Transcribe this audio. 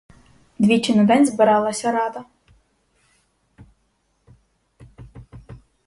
Двічі на день збиралася рада.